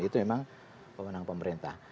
itu memang kewenangan pemerintah